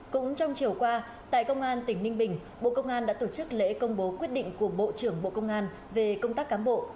cũng trong chiều qua tại công an tỉnh ninh bình bộ công an đã tổ chức lễ công bố quyết định của bộ trưởng bộ công an về công tác cán bộ